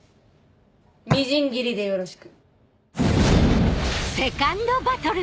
みじん切りでよろしく。